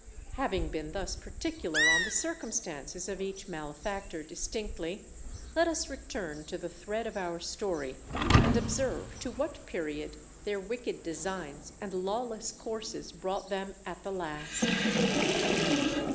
Having been thus particular on the circumstances of each malefactor distinctly, let us return to the thread of our story, and observe to what period their wicked designs and lawless courses brought them at the last.